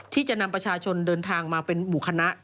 ที่จะนำประชาชนเดินทางมาเป็นหมู่คณะ